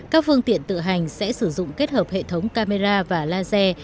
các phương tiện tự hành sẽ sử dụng kết hợp hệ thống camera và laser